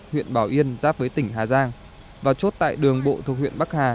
huyện bảo yên giáp với tỉnh hà giang và chốt tại đường bộ thuộc huyện bắc hà